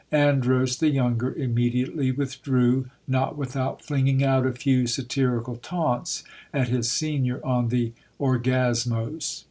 Andros, the younger, immediately withdrew, not without flinging out a few satirical taunts at his senior on the ooyaofioQ.